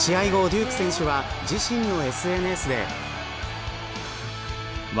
デューク選手は自身のＳＮＳで。